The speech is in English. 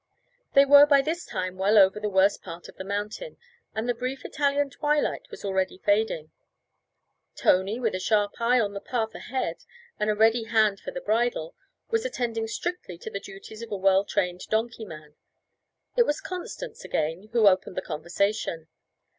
They were by this time well over the worst part of the mountain, and the brief Italian twilight was already fading. Tony, with a sharp eye on the path ahead and a ready hand for the bridle, was attending strictly to the duties of a well trained donkey man. It was Constance again who opened the conversation.